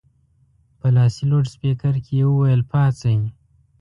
په لاسي لوډسپیکر کې یې وویل پاڅئ.